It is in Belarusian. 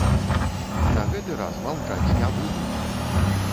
На гэты раз маўчаць не буду!